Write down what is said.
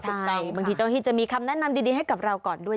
ใช่บางทีต้องให้จะมีคำแนะนำดีให้กับเราก่อนด้วย